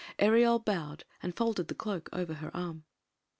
Ereol bowed, and fold ed the cloak over her arm.